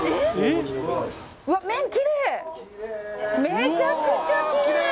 めちゃくちゃきれい！